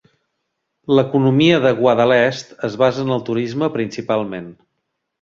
L'economia de Guadalest es basa en el turisme principalment.